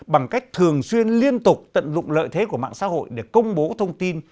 bằng cách thường xuyên liên tục tận dụng lợi thế của mạng xã hội để công bố thông tin